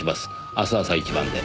明日朝一番で。